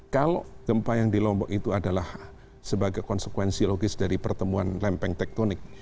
kalau gempa yang di lombok itu adalah sebagai konsekuensi logis dari pertemuan lempeng tektonik